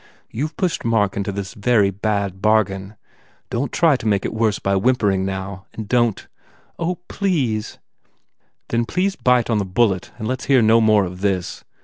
You ve pushed Mark into this very bad bargain. Don t make it worse by whimpering, now, and don t " "Oh, please!" "Then please bite on the bullet and let s hear no more of this.